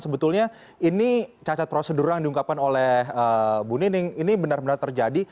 sebetulnya ini cacat prosedural yang diungkapkan oleh bu nining ini benar benar terjadi